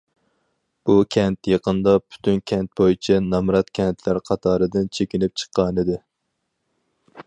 بۇ كەنت يېقىندا پۈتۈن كەنت بويىچە نامرات كەنتلەر قاتارىدىن چېكىنىپ چىققانىدى.